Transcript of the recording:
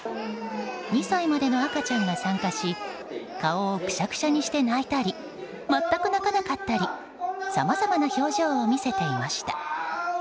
２歳までの赤ちゃんが参加し顔をくしゃくしゃにして泣いたり全く泣かなかったりさまざまな表情を見せていました。